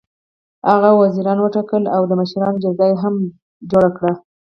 هغه وزیران وټاکل او د مشرانو جرګه یې هم جوړه کړه.